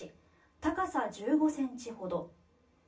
高さ１５ｃｍほど。